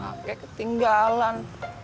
gak kayak ketinggalan